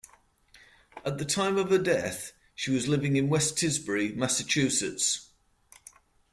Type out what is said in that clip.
At the time of her death she was living in West Tisbury, Massachusetts.